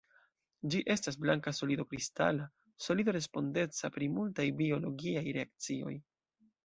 Ĝi estas blanka solido kristala solido respondeca pri multaj biologiaj reakcioj.